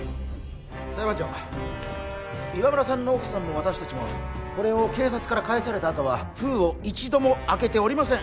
裁判長岩村さんの奥さんも私達もこれを警察から返されたあとは封を一度も開けておりません